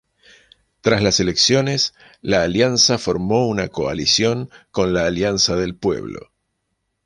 Tras las elecciones, la Alianza formó una coalición con la Alianza del Pueblo.